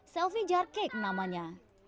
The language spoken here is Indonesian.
selfie jar cake namanya